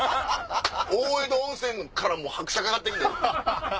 「大江戸温泉」から拍車掛かって来てん。